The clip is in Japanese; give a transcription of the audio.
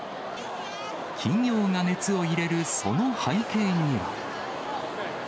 企業が熱を入れるその背景には。